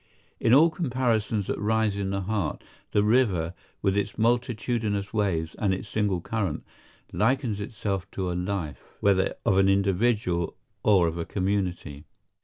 In all comparisons that rise in the heart, the river, with its multitudinous waves and its single current, likens itself to a life, whether of an individual or of a community.